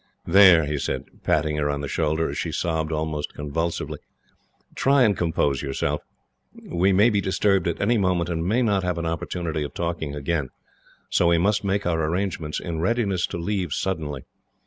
"There," he said, patting her on the shoulder, as she sobbed almost convulsively; "try and compose yourself. We may be disturbed at any moment, and may not have an opportunity of talking again, so we must make our arrangements, in readiness to leave suddenly.